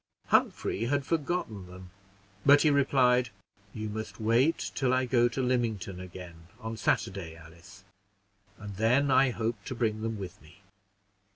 Humphrey had forgotten them, but he replied, "You must wait till I go to Lymington again on Saturday, Alice, and then I hope to bring them with me.